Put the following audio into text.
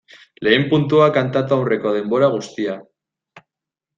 Lehen puntua kantatu aurreko denbora guztia.